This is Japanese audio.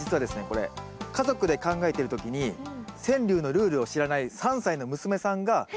これ家族で考えている時に川柳のルールを知らない３歳の娘さんが突然詠んでくれた。